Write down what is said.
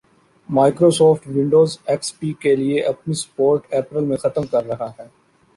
Microsoft, Windows XP پی کے لئے اپنی سپورٹ اپریل میں ختم کررہا ہے